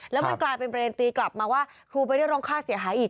แล้วมันกลายเป็นประเด็นตีกลับมาว่าครูไปเรียกร้องค่าเสียหายอีก